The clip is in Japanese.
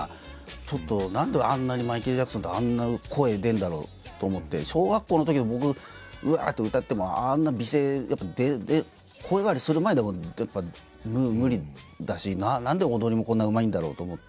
ちょっと何であんなにマイケル・ジャクソンってあんな声出るんだろうと思って小学校のときの僕うわって歌ってもあんな美声やっぱ声変わりする前でもやっぱ無理だし何で踊りもこんなうまいんだろうと思って。